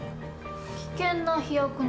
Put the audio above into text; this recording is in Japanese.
危険な飛躍ね。